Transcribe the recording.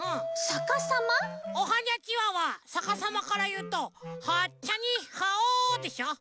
「おはにゃちは」はさかさまからいうと「はちゃにはお」でしょ？